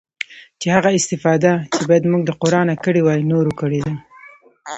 چې هغه استفاده چې بايد موږ له قرانه کړې واى نورو کړې ده.